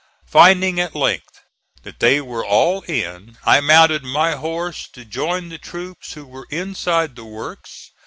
Finding at length that they were all in, I mounted my horse to join the troops who were inside the works.